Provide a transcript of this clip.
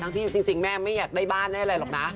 ทั้งที่จริงแม่ไม่อยากได้บ้านแหละหรอกนะ